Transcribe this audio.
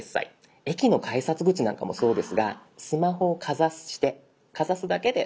駅の改札口なんかもそうですがスマホをかざしてかざすだけで支払いが終了するタイプ。